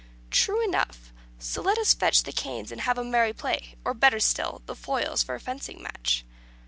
"True enough. So let us fetch the canes, and have a merry play. Or, better still, the foils for a fencing match."